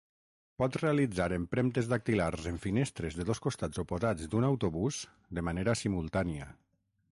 Pot realitzar empremtes dactilars en finestres de dos costats oposats d'un autobús de manera simultània.